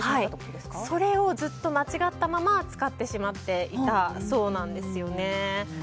それをずっと間違ったまま使ってしまっていたそうなんです。